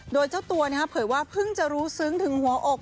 โดยเจ้าตัวเผยว่าเพิ่งจะรู้ซึ้งถึงหัวอก